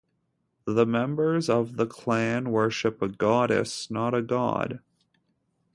The members of the clan worship a goddess, not a god.